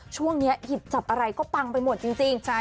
ช่วงนี้หยิบจับอะไรก็ปังไปหมดจริง